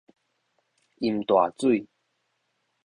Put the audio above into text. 淹大水